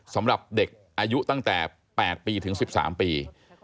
สำหรับเด็กอายุตั้งแต่๘ปีถึง๑๓ปี